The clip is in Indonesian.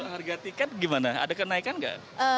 harga tiket gimana ada kenaikan nggak